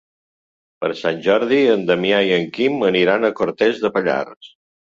Per Sant Jordi en Damià i en Quim aniran a Cortes de Pallars.